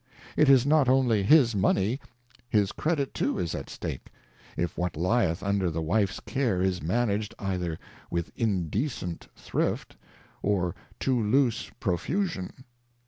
It is not only his Monet/, his Credit too is at Stake, if what lyeth undeF tKe~TF?/e's Care is managed, either with undecent Thrift, or too loose Profusion.